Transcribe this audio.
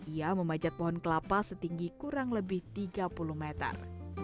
ia memajat pohon kelapa setinggi kurang lebih tiga puluh meter